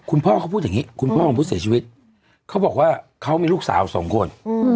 คุณพ่อเขาพูดอย่างนี้คุณพ่อของผู้เสียชีวิตเขาบอกว่าเขามีลูกสาวสองคน